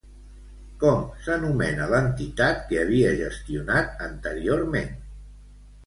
Com s'anomena l'entitat que havia gestionat anteriorment?